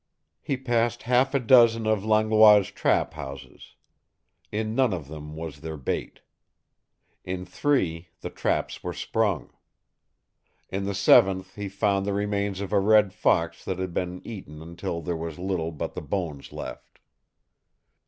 He passed half a dozen of Langlois' trap houses. In none of them was there bait. In three the traps were sprung. In the seventh he found the remains of a red fox that had been eaten until there was little but the bones left.